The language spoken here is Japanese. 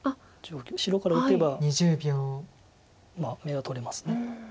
白から打てばまあ眼は取れます。